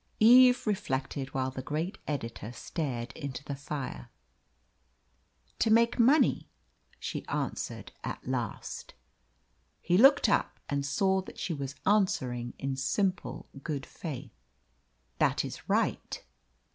Eve reflected while the great editor stared into the fire. "To make money," she answered at last. He looked up, and saw that she was answering in simple good faith. "That is right."